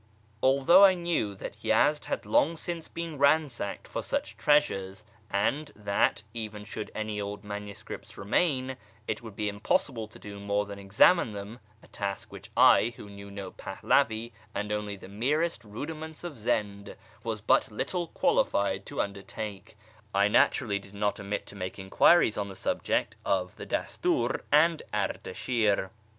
Although I knew that Yezd had long since been ransacked for such treasures, and that, even should any old manuscripts remain, it would be impossible to do more than examine them (a task which I, who knew no Pahlavi and only the merest rudiments of Zend, was but little qualified to under take), I naturally did not omit to make enquiries on the subject of the Dastur and Ardashir.